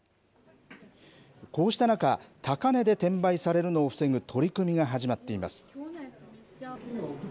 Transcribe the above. こうした中、高値で転売されるのを防ぐ取り組みが始まっています。